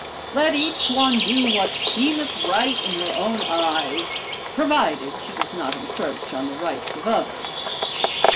Let each one do what seemeth right in her own eyes, provided she does not encroach on the rights of others.